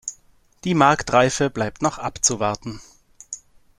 Die Marktreife bleibt noch abzuwarten.